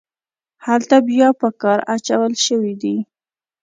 هلته بیا په کار اچول شوي دي.